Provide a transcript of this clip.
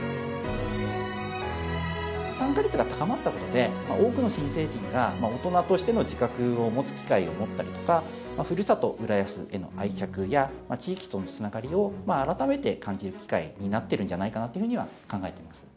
参加率が高まったことで、多くの新成人が大人としての自覚を持つ機会を持ったりとか、ふるさと浦安への愛着や、地域とのつながりを改めて感じる機会になっているんじゃないかなというふ